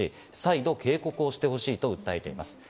再度警告をしてほしいと訴えています。